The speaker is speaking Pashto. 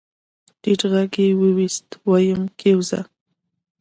ټيټ غږ يې واېست ويم کېوځه.